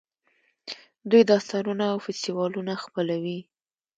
دوی داستانونه او فستیوالونه خپلوي.